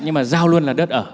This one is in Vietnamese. nhưng mà giao luôn là đất ở